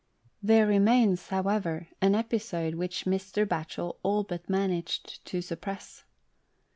There remains, however, an episode which Mr. Batchel all but managed to suppress.